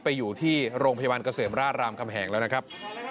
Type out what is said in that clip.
ไปอยู่ที่โรงพยาบาลเกษมราชรามคำแหงแล้วนะครับ